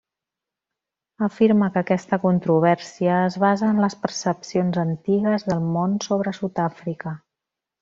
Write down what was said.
Afirma que aquesta controvèrsia es basa en les percepcions antigues del món sobre Sud-àfrica.